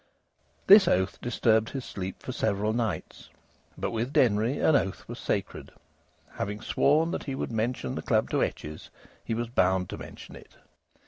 This oath disturbed his sleep for several night. But with Denry an oath was sacred. Having sworn that he would mention the club to Etches, he was bound to mention it.